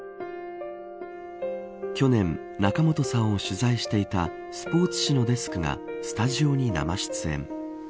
去年、仲本さんを取材していたスポーツ紙のデスクがスタジオに生出演。